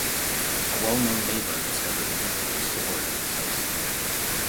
A well-known neighbor discovers a mystical sword in his house.